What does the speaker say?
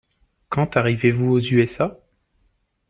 Quand arrivez-vous aux USA ?